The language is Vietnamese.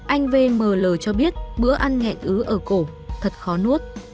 anh vml cho biết bữa ăn nhẹ ứ ở cổ thật khó nuốt